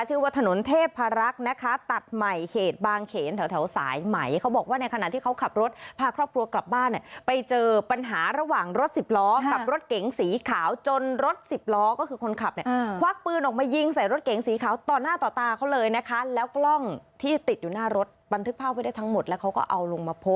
ชื่อว่าถนนเทพรักษ์นะคะตัดใหม่เขตบางเขนแถวสายไหมเขาบอกว่าในขณะที่เขาขับรถพาครอบครัวกลับบ้านเนี่ยไปเจอปัญหาระหว่างรถสิบล้อกับรถเก๋งสีขาวจนรถสิบล้อก็คือคนขับเนี่ยควักปืนออกมายิงใส่รถเก๋งสีขาวต่อหน้าต่อตาเขาเลยนะคะแล้วกล้องที่ติดอยู่หน้ารถบันทึกภาพไว้ได้ทั้งหมดแล้วเขาก็เอาลงมาโพสต์